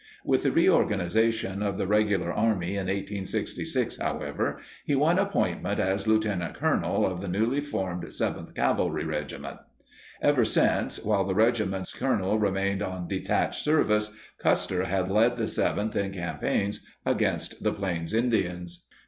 With the reorganization of the regular Army in 1866, however, he won appointment as lieutenant colonel of the newly formed 7th Cavalry Regiment. Ever since, while the regiment's colonel remained on detached service, Custer had led the 7th in campaigns against the Plains Indians.